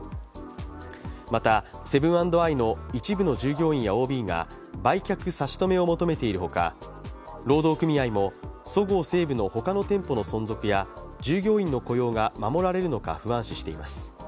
また、セブン＆アイの一部の従業員やＯＢが売却差し止めを求めているほか労働組合もそごう・西武の他の店舗の存続や従業員の雇用が守られるのか不安視しています。